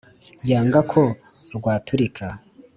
yanga ko rwaturika.